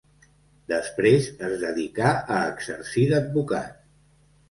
Després es dedicà a exercir d'advocat.